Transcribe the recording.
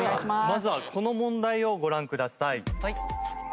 まずはこの問題をご覧ください。